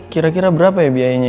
kira kira berapa ya biayanya